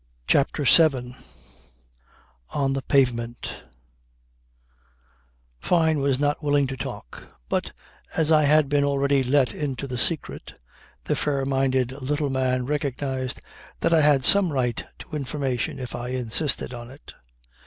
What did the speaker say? CHAPTER SEVEN ON THE PAVEMENT Fyne was not willing to talk; but as I had been already let into the secret, the fair minded little man recognized that I had some right to information if I insisted on it.